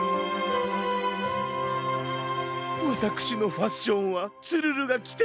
わたくしのファッションはツルルがきてこそかがやくの。